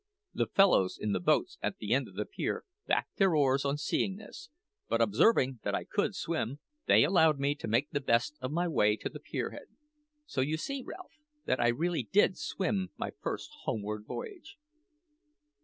The fellows in the boats at the end of the pier backed their oars on seeing this; but observing that I could swim, they allowed me to make the best of my way to the pier head. So you see, Ralph, that I really did swim my first homeward voyage."